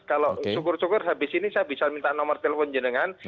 kalau syukur syukur habis ini saya bisa minta nomor telepon jenengan